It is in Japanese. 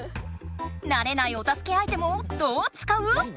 なれないおたすけアイテムをどう使う？